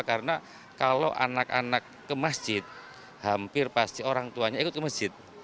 karena kalau anak anak ke masjid hampir pasti orang tuanya ikut ke masjid